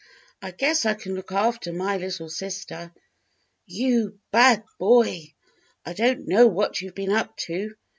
"I guess I can look after my little sister." "You bad boy! I don't know what you've been up to.